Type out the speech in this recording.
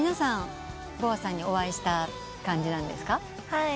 はい。